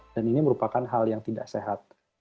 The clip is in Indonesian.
dan ini merupakan hal yang tidak sehat